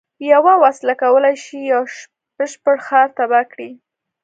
یوه وسله کولای شي یو بشپړ ښار تباه کړي